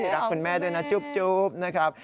รักคุณแม่ด้วยนะจุ๊บนะครับ